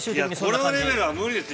◆いや、このレベルは無理です